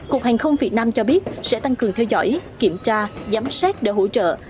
cục hàng không việt nam cho biết sẽ tăng cường theo dõi kiểm tra giám sát để hỗ trợ